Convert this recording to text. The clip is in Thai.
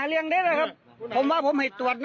เรื่องแบบตำรวจอ่ะสามารถตรวจได้ทุกคน